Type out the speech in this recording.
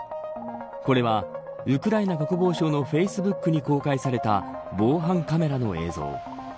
これは、ウクライナ国防省のフェイスブックに公開された防犯カメラの映像。